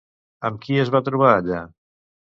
Amb qui es va trobar allà?